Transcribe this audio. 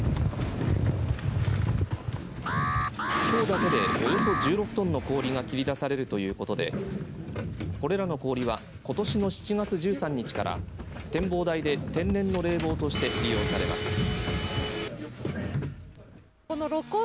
きょうだけで、およそ１６トンの氷が切り出されるということでこれらの氷はことしの７月１３日から展望台で天然の冷房として利用されます。